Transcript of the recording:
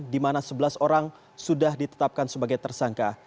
dimana sebelas orang sudah ditetapkan sebagai tersangka